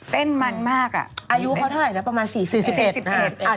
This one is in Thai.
เต้นมันมากอายุเขาเท่าไหร่แล้วประมาณ๔๑